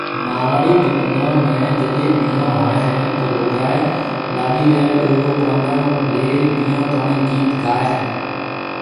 مارواڙي ڀيلون ۾ جڏي بيھونهوئي هي تو لُگائي لاڏي ري ڏوري ٻانڌڻ لي بيھونتوڻي گيت گاوي هي